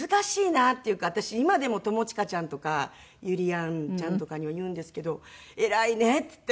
今でも友近ちゃんとかゆりやんちゃんとかには言うんですけど「偉いね」って言って。